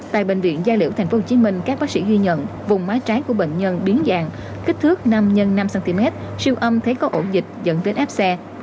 tại bệnh viện gia liễu tp hcm các bác sĩ ghi nhận vùng mái trái của bệnh nhân biến dạng kích thước năm x năm cm siêu âm thấy có ổ dịch dẫn đến ép xe